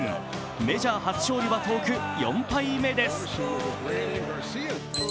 メジャー初勝利は遠く、４敗目です。